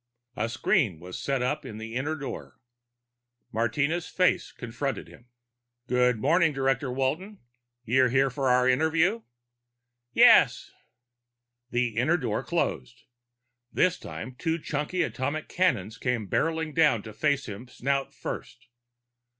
A screen was set in the inner door. Martinez' face confronted him. "Good morning, Director Walton. You're here for our interview?" "Yes." The inner door closed. This time, two chunky atomic cannons came barreling down to face him snout first.